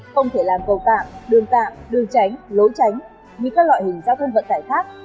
không thể làm cầu tạm đường tạm đường tránh lối tránh như các loại hình giao thông vận tải khác